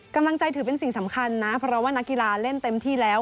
กำลังใจถือเป็นสิ่งสำคัญนะเพราะว่านักกีฬาเล่นเต็มที่แล้ว